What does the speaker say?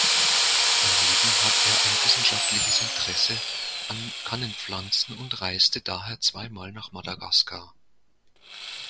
Daneben hat er ein wissenschaftliches Interesse an Kannenpflanzen und reiste daher zweimal nach Madagaskar.